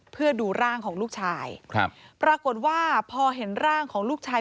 เพื่อดูร่างของลูกชายครับปรากฏว่าพอเห็นร่างของลูกชาย